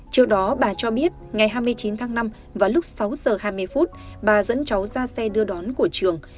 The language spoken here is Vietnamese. trước đó bà cho biết ngày hai mươi chín tháng năm và lúc sáu giờ hai mươi phút bà dẫn cháu ra xe đưa đón của trường